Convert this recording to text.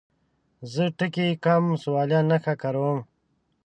زه ټکي، کامه، سوالیه نښه کاروم.